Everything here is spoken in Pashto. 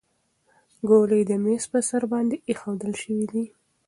ګولۍ د میز په سر باندې ایښودل شوې دي.